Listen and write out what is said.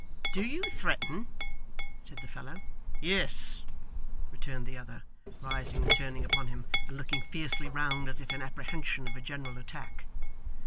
'Do you threaten?' said the fellow. 'Yes,' returned the other, rising and turning upon him, and looking fiercely round as if in apprehension of a general attack.